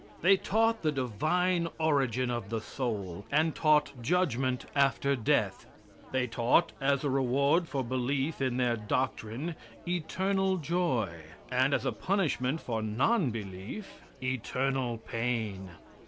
They taught the divine origin of the soul, and taught judgment after death. They taught as a reward for belief in their doctrine eternal joy, and as a punishment for non belief eternal pain.